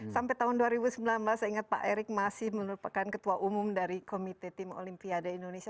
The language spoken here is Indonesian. sampai tahun dua ribu sembilan belas saya ingat pak erick masih merupakan ketua umum dari komite tim olimpiade indonesia